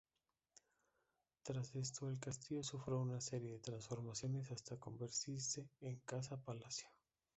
Tras esto, el castillo sufrió una serie de transformaciones hasta convertirse en casa-palacio.